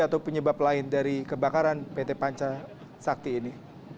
atau penyebab lain dari kebakaran pt panca sakti ini